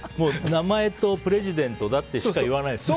名前とプレジデントしか言わないんですね。